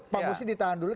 pak musni ditahan dulu